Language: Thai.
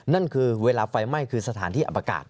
นั่นคือเวลาไฟไหม้คือสถานที่อับอากาศ